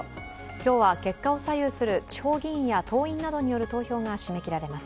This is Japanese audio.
今日は結果を左右する地方議員や党員などによる投票が締め切られます。